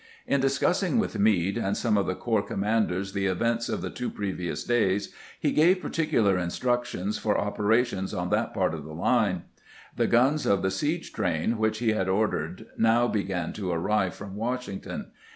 In discussing with Meade and some of the corps commanders the events of the two previous days, he gave particular instructions for operations on that part of the line. The guns of the siege train which he had ordered now began to arrive from Washington.